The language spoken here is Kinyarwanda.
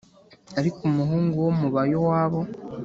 Ariko umuhungu wo mu ba yowabu